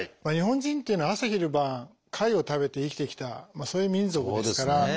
日本人っていうのは朝昼晩貝を食べて生きてきたそういう民族ですから。